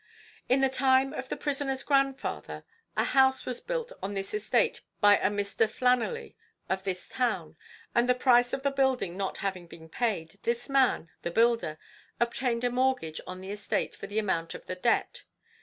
"In the time of the prisoner's grandfather, a house was built on this estate by a Mr. Flannelly, of this town, and the price of the building not having been paid, this man, the builder, obtained a mortgage on the estate for the amount of the debt.